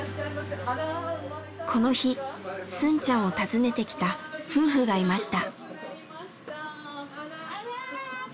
この日スンちゃんを訪ねてきた夫婦がいました。